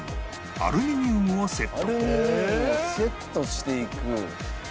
アルミニウムをセットしていく。